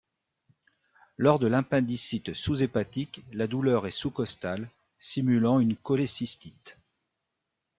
Lors de l'appendicite sous-hépatique, la douleur est sous-costale, simulant une cholécystite.